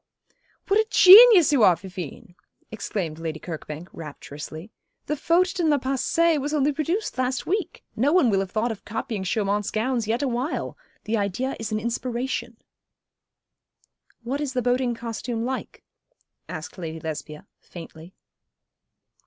"' 'What a genius you are, Fifine,' exclaimed Lady Kirkbank, rapturously. 'The Faute dans le Passé was only produced last week. No one will have thought of copying Chaumont's gowns yet awhile. The idea is an inspiration.' 'What is the boating costume like?' asked Lady Lesbia, faintly.